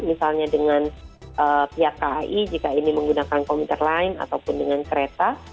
misalnya dengan pihak kai jika ini menggunakan komuter lain ataupun dengan kereta